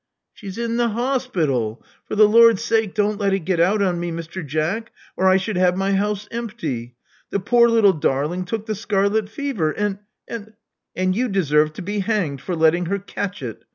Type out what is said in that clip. She's in the 'ospittle. For the Lord's sake don't let it get out on me, Mr. Jack, or I should have my house empty. The poor little darling took the scarlet fever; and — and "And you deserve to be hanged for letting her catch it.